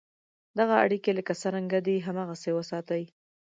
دغه اړیکي لکه څرنګه دي هغسې وساتې.